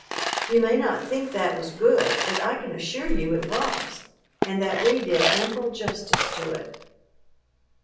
You may not think that was good, but I can assure you it was and that we did ample justice to it.